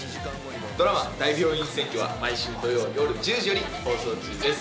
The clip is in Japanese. ドラマ『大病院占拠』は毎週土曜夜１０時より放送中です。